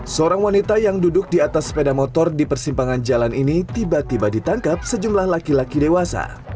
seorang wanita yang duduk di atas sepeda motor di persimpangan jalan ini tiba tiba ditangkap sejumlah laki laki dewasa